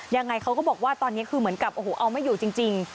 ยังไงเขาก็บอกว่าตอนนี้คือเหมือนกับโอ้โหเอาไม่อยู่จริง